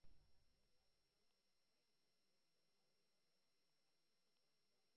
Etxebizitza sozialei ere arreta berezia eskaini izan zien.